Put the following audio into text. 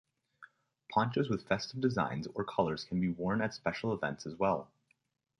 Ponchos with festive designs or colors can be worn at special events as well.